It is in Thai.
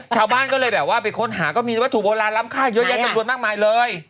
ชาวบ้านก็เลยแบบว่าไปค้นหาก็มีวัตถุโบราณล้ำค่าเยอะแยะจำนวนมากมายเลย